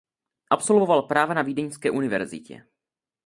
Absolvoval práva na Vídeňské univerzitě.